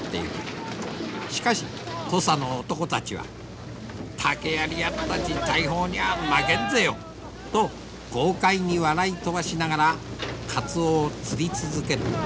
しかし土佐の男たちは「竹やりやったち大砲には負けんぜよ」と豪快に笑い飛ばしながらカツオを釣り続ける。